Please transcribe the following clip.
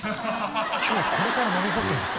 今日これから飲み干すんですか？